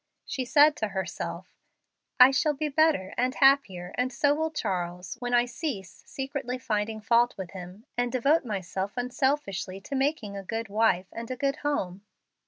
She said to herself, "I shall be better and happier, and so will Charles, when I cease secretly finding fault with him, and devote myself unselfishly to making a good wife and a good home."